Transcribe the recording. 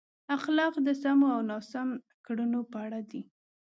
اخلاق د سمو او ناسم کړنو په اړه دي.